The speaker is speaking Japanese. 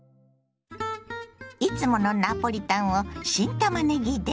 いつものナポリタンを新たまねぎで。